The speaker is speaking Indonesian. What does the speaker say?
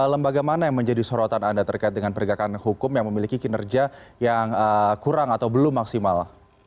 lembaga mana yang menjadi sorotan anda terkait dengan penegakan hukum yang memiliki kinerja yang kurang atau belum maksimal